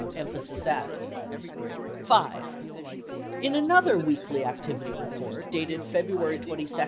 [Emphasis added.] 5. In another "Weekly Activity Report" dated February 22, 1972.